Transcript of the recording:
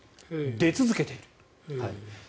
出続けている。